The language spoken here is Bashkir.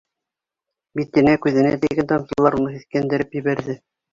Битенә, күҙенә тейгән тамсылар уны һиҫкәндереп ебәрҙе.